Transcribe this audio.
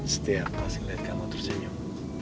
setiap pas ngelihat kamu terjenyum